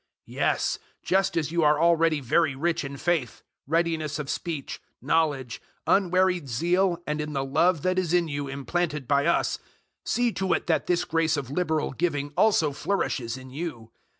008:007 Yes, just as you are already very rich in faith, readiness of speech, knowledge, unwearied zeal, and in the love that is in you, implanted by us, see to it that this grace of liberal giving also flourishes in you.